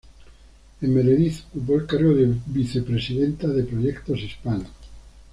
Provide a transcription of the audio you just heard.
En Meredith, ocupó el cargo de vicepresidenta de proyectos hispanos.